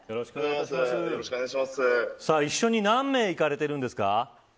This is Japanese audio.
一緒に何名行かれているんですか。